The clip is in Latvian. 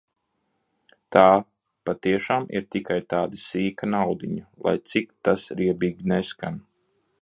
Tā patiešām ir tikai tāda sīka naudiņa, lai cik tas riebīgi neskan.